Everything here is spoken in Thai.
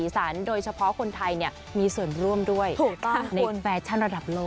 ฟาชันระดับโลก